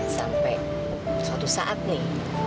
sampai suatu saat nih